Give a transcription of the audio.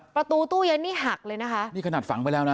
ประตูตู้เย็นนี่หักเลยนะคะนี่ขนาดฝังไปแล้วนะ